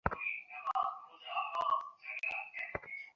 তিনি রয়্যাল সোসাইটির ফেলো নির্বাচিত হন ।